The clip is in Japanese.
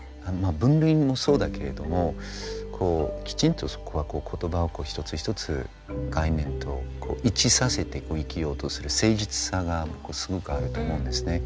分類もそうだけれどもきちんとそこは言葉を一つ一つ概念と一致させて生きようとする誠実さがすごくあると思うんですね。